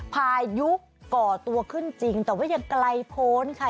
พายุก่อตัวขึ้นจริงแต่ว่ายังไกลพ้นค่ะ